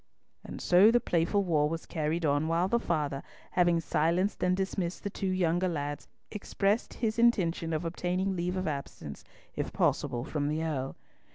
"And so the playful war was carried on, while the father, having silenced and dismissed the two younger lads, expressed his intention of obtaining leave of absence, if possible, from the Earl."